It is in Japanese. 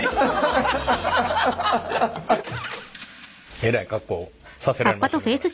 えらい格好させられましたねこれ。